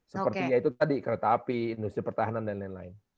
sepertinya itu tadi kereta api industri pertahanan dan lain lain